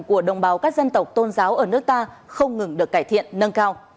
của đồng bào các dân tộc tôn giáo ở nước ta không ngừng được cải thiện nâng cao